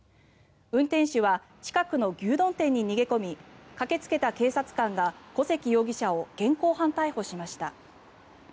運転手は近くの牛丼店に逃げ込み駆けつけた警察官が古関容疑者を現行犯逮捕しました。